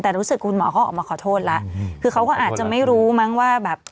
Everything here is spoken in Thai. แต่รู้สึกคุณหมอเขาออกมาขอโทษแล้วคือเขาก็อาจจะไม่รู้มั้งว่าแบบ